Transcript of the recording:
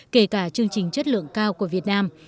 kể cả chương trình chất lượng cao của việt nam